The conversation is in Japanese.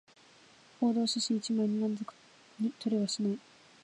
報道写真一枚満足に撮れはしない